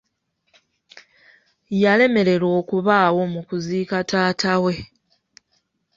Yalemererwa okubaawo mu kuziika taata we.